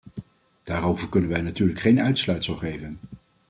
Daarover kunnen wij natuurlijk geen uitsluitsel geven.